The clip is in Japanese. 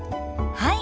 はい。